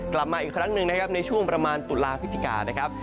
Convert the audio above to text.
กลับมาอีกครั้งหนึ่งนะครับในช่วงประมาณตุลาพฤศจิกานะครับ